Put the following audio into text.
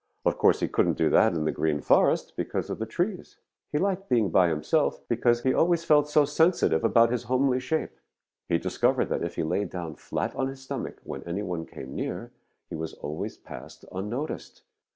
Of course, he couldn't do that in the Green Forest because of the trees. He liked being by himself because he felt so sensitive about his homely shape. He discovered that if he lay down flat on his stomach when any one came near, he was always passed unnoticed.